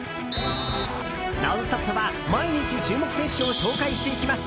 「ノンストップ！」は毎日注目選手を紹介していきます。